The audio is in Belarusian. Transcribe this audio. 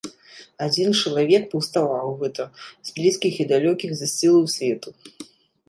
Адзін чалавек паўставаў гэта з блізкіх і далёкіх засцілаў свету!